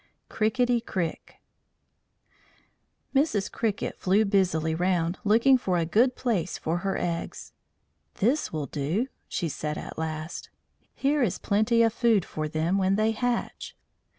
CRIKITTY CRIK Mrs. Cricket flew busily round, looking for a good place for her eggs. "This will do," she said at last. "Here is plenty of food for them when they hatch."